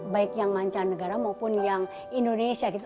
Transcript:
baik yang mancanegara maupun yang indonesia gitu